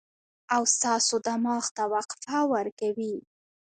او ستاسو دماغ ته وقفه ورکوي